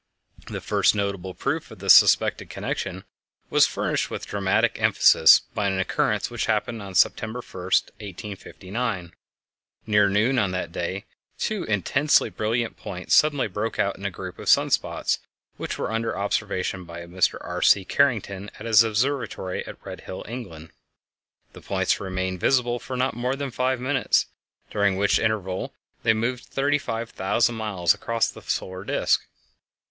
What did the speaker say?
The first notable proof of the suspected connection was furnished with dramatic emphasis by an occurrence which happened on September 1, 1859. Near noon on that day two intensely brilliant points suddenly broke out in a group of sun spots which were under observation by Mr R. C. Carrington at his observatory at Redhill, England. The points remained visible for not more than five minutes, during which interval they moved thirty five thousand miles across the solar disk.